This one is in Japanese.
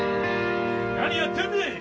何やってんでい！